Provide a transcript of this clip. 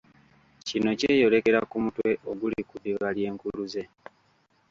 Kino kyeyolekera ku mutwe oguli ku ddiba ly’enkuluze.